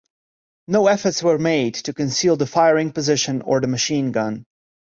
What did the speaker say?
No efforts were made to conceal the firing position or the machine gun.